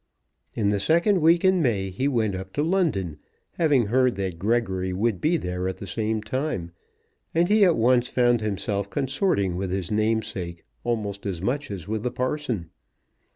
In the second week in May he went up to London, having heard that Gregory would be there at the same time; and he at once found himself consorting with his namesake almost as much as with the parson.